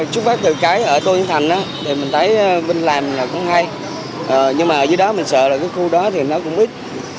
chúc phát từ cái ở tô nhân thành mình thấy mình làm là cũng hay nhưng mà ở dưới đó mình sợ là cái khu đó thì nó cũng ít